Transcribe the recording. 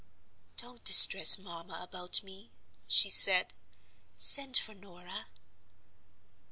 "Don't distress mamma about me," she said. "Send for Norah."